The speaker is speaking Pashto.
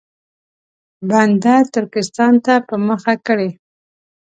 بنده ترکستان ته په مخه کړي.